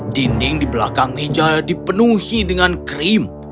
dinding di belakang meja dipenuhi dengan krim